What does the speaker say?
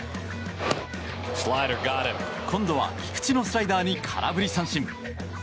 今度は菊池のスライダーに空振り三振。